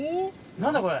何だこれ。